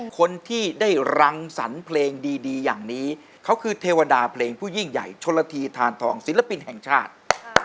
คนที่ได้รังสรรค์เพลงดีอย่างนี้เขาคือเทวดาเพลงผู้ยิ่งใหญ่ชนละทีทานทองศิลปินแห่งชาติ